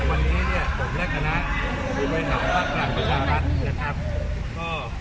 วันนี้ส่วนแรกคณะบุญเหล้าภรรกาศาสตร์รัฐ